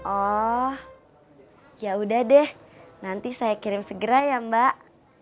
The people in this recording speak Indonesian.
oh yaudah deh nanti saya kirim segera ya mbak